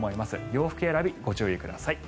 洋服選びご注意ください。